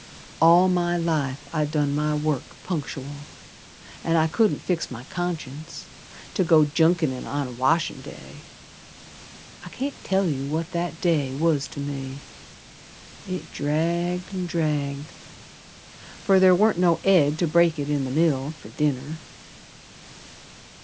All my life I'd done my work punctual, An' I couldn't fix my conscience To go junketin' on a washin' day. I can't tell you what that day was to me. It dragged an' dragged, Fer ther warn't no Ed ter break it in the middle Fer dinner.